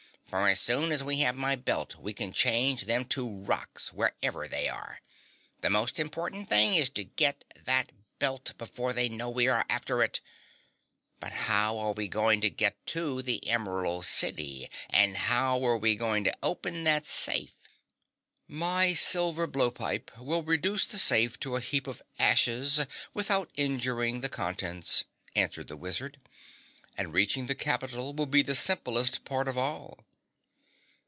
"For as soon as we have my belt we can change them to rocks, wherever they are. The most important thing is to get that belt before they know we are after it. But how are we going to get to the Emerald City and how're we going to open that safe?" "My silver blowpipe will reduce the safe to a heap of ashes without injuring the contents," answered the wizard, "and reaching the capital will be the simplest part of all!"